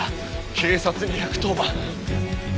警察に１１０番！